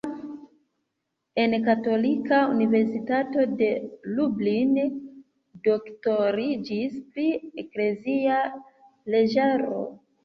En Katolika Universitato de Lublin doktoriĝis pri eklezia leĝaro.